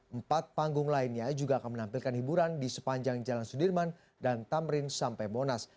empat panggung lainnya juga akan menampilkan hiburan di sepanjang jalan sudirman dan tamrin sampai monas